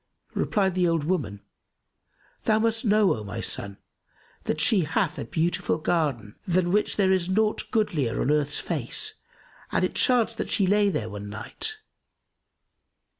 Replied the old woman, "Thou must know O my son, that she hath a beautiful garden, than which there is naught goodlier on earth's face and it chanced that she lay there one night.